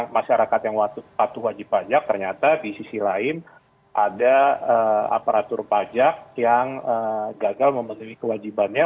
masyarakat yang patuh wajib pajak ternyata di sisi lain ada aparatur pajak yang gagal memenuhi kewajibannya